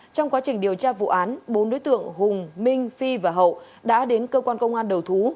trong quá trình điều tra vụ án bốn đối tượng hùng minh phi và hậu đã đến cơ quan công an đầu thú